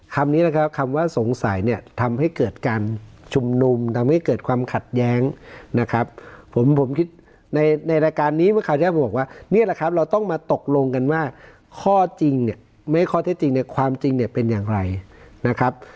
คำนี้นะครับคำว่าสงสัยเนี่ยทำให้เกิดการชุมนุมทำให้เกิดความขัดแย้งนะครับผมผมคิดในในรายการนี้เมื่อคราวที่ผมบอกว่านี่แหละครับเราต้องมาตกลงกันว่าข้อจริงเนี่ยไม่ข้อเท็จจริงเนี่ยความจริงเนี่ยเป็นอย่างไรนะครับ